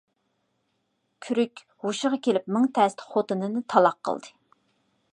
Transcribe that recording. كۈرۈك ھوشىغا كېلىپ مىڭ تەستە خوتۇنىنى تالاق قىلدى.